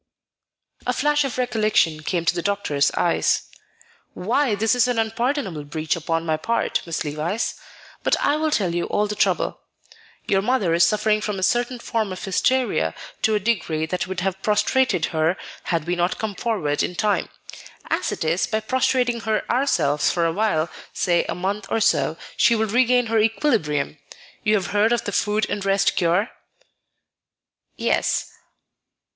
A flash of recollection came to the doctor's eyes. "Why, this is an unpardonable breach upon my part, Miss Levice; but I will tell you all the trouble. Your mother is suffering with a certain form of hysteria to a degree that would have prostrated her had we not come forward in time. As it is, by prostrating her ourselves for awhile, say a month or so, she will regain her equilibrium. You have heard of the food and rest cure?" "Yes."